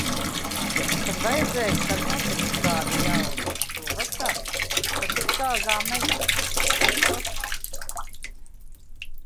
Kad vajadzēs, tad nopirks kādu jaunu. Šovasar tak uz kāzām neies, tas toč.